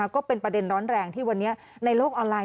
ก็เป็นประเด็นร้อนแรงที่วันนี้ในโลกออนไลน